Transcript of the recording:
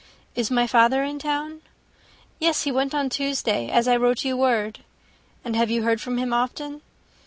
"Is my father in town?" "Yes, he went on Tuesday, as I wrote you word." "And have you heard from him often?"